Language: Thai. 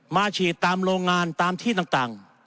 ฉีดตามโรงงานตามที่ต่าง